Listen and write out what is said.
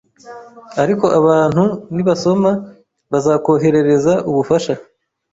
ariko abantu nibasoma, bazakoherereza ubufasha